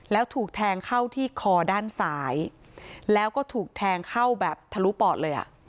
แล้วถูกแทงเข้าที่คอด้านซ้ายแล้วก็ถูกแทงเข้าแบบทะลุปอดเลยอ่ะ